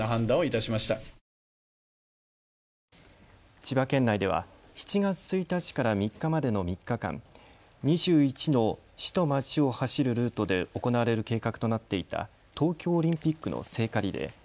千葉県内では７月１日から３日までの３日間、２１の市と町を走るルートで行われる計画となっていた東京オリンピックの聖火リレー。